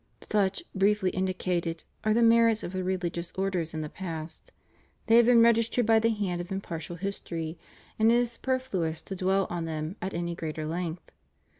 Such, briefly indicated, are the merits of the religious orders in the past. They have been registered by the hand of impartial history, and it is superfluous to dwell on them at any greater length.